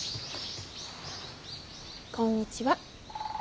こんにちは。